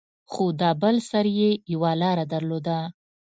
خو دا بل سر يې يوه لاره درلوده.